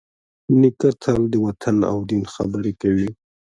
نیکه تل د وطن او دین خبرې کوي.